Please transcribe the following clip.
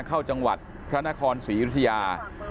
เข้าจังหวัดพระนครศรียุธยา